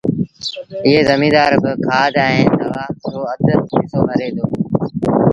ائيٚݩ زميݩدآر با کآڌ ائيٚݩ دوآ رو اڌ هسو ڀري دو